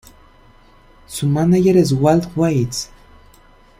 Su mánager es Walt Weiss.